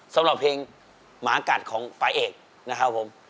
สำหรับเพลงหมากัดของฝ่ายเอกนะครับผม